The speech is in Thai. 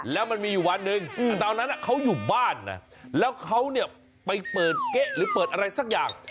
แล้วมันมีอยู่วันหนึ่งตอนนั้นเขาอยู่บ้านนะแล้วเขาเนี่ยไปเปิดเก๊ะหรือเปิดอะไรสักอย่าง